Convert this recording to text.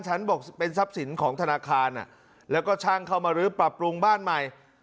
ฉันบอกเป็นทรัพย์สินของธนาคารแล้วก็ช่างเข้ามาลื้อปรับปรุงบ้านใหม่